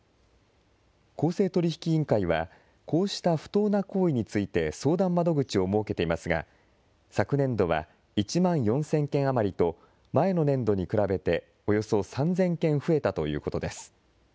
公正取引委員会は、こうした不当な行為について相談窓口を設けていますが、昨年度は１万４０００件余りと、前の年度に比べておよそ３０００件増えたということです。